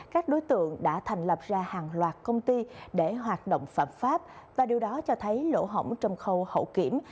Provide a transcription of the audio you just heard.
các đối tượng đã thành lập ra hàng loạt công ty để hoạt động phạm pháp và điều đó cho thấy lỗ hỏng trong khâu hậu kiểm